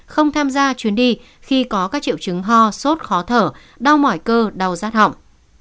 không tham gia chuyến đi khi có các triệu chứng ho khó thở đau mỏi cơ đau rát họng